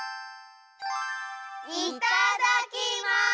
いただきます！